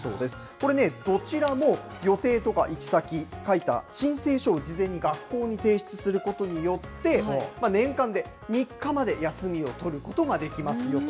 これね、どちらも予定とか行き先、書いた申請書を事前に学校に提出することによって、年間で３日まで休みを取ることができますよと。